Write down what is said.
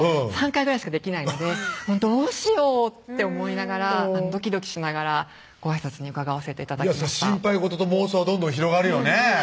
３回ぐらいしかできないのでどうしようって思いながらドキドキしながらご挨拶に伺わせて頂きました心配事と妄想はどんどん広がるよね